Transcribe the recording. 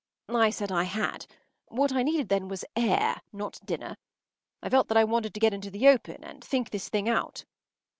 ” I said I had. What I needed then was air, not dinner. I felt that I wanted to get into the open and think this thing out.